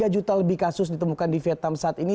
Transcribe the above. tiga juta lebih kasus ditemukan di vietnam saat ini